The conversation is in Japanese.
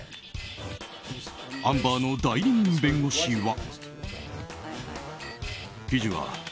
アンバーの代理人弁護士は。